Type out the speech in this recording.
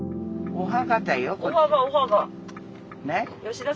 お墓。